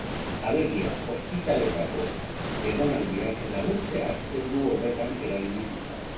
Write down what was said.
Alegia, ospitaletako egonaldiak laburtzeak ez du horretan eraginik izan.